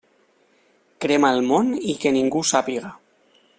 Crema el món i que ningú ho sàpiga.